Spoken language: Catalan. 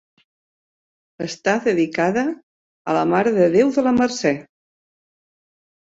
Està dedicada a la Mare de Déu de la Mercè.